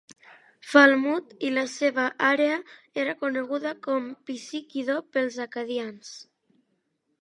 Falmouth i la seva àrea era coneguda com Pisíquido pels acadians.